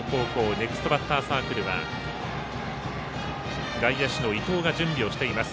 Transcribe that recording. ネクストバッターズサークルは外野手の伊藤が準備をしています。